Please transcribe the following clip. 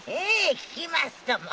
効きますとも。